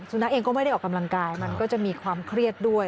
เองก็ไม่ได้ออกกำลังกายมันก็จะมีความเครียดด้วย